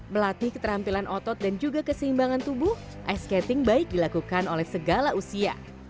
melatih keterampilan otot dan juga keseimbangan tubuh ice skating baik dilakukan oleh segala usia